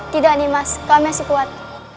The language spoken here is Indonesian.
tidak nima kami masih kuat